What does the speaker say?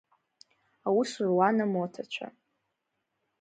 Аус руан амоҭацәа…